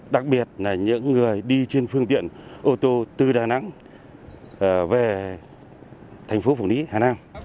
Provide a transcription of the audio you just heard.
đặc biệt là những người đi trên phương tiện ô tô từ đà nẵng về tp hcm